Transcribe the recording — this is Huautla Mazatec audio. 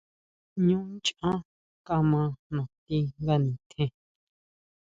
Ñú nchán kama nati nga nitjen.